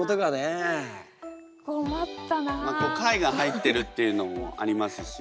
貝が入ってるっていうのもありますし